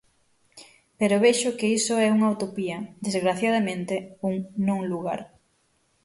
Pero vexo que iso é unha utopía, desgraciadamente, un non-lugar.